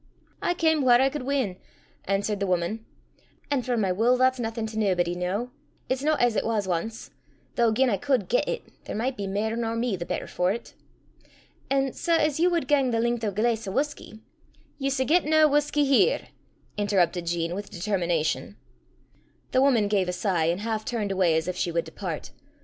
"I cam whaur I cud win," answered the woman; "an' for my wull, that's naething to naebody noo it's no as it was ance though, gien I cud get it, there micht be mair nor me the better for 't. An' sae as ye wad gang the len'th o' a glaiss o' whusky " "Ye s' get nae whusky here," interrupted Jean, with determination. The woman gave a sigh, and half turned away as if she would depart.